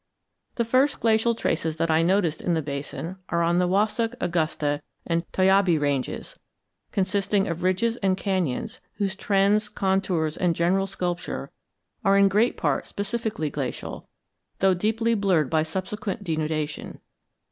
The first glacial traces that I noticed in the basin are on the Wassuck, Augusta, and Toyabe ranges, consisting of ridges and cañons, whose trends, contours, and general sculpture are in great part specifically glacial, though deeply blurred by subsequent denudation.